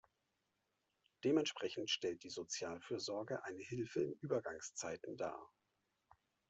Dementsprechend stellt die Sozialfürsorge eine Hilfe in Übergangszeiten dar.